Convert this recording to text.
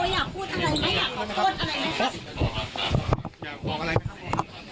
อยากพูดอะไรไม่อยากขอโทษอะไรไหมครับ